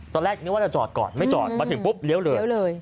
ตอนแรกนึกว่าจะจอดก่อนไม่จอดมาถึงปุ๊บเลี้ยวเลยเลี้ยวเลย